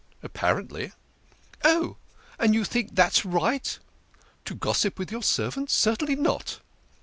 " Apparently." " Oh ! and you think that's right !"" To gossip with your servants? Certainly not."